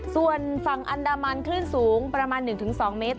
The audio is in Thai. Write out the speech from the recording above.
ส่วนฝั่งอันดามันคลื่นสูงประมาณ๑๒เมตร